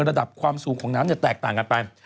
ระดับความสูงของน้ำเนี่ยแตกต่างกันไป